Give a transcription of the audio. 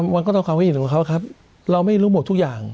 มันก็ต้องความคิดเห็นของเขาครับเราไม่รู้หมดทุกอย่าง